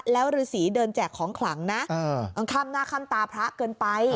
แล้วฤษีเดินแจกของขลังนะเออข้ามหน้าข้ามตาพระเกินไป